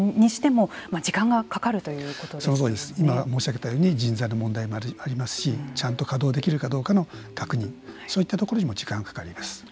今、ことわったように人材の問題もありますしちゃんと稼動できるかどうかの確認そういったところにも時間がかかります。